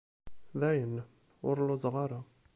Dayen, ur lluẓeɣ ara.